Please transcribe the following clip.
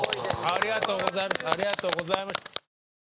ありがとうございます。